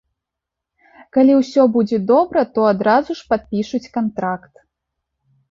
Калі ўсё будзе добра, то адразу ж падпішуць кантракт.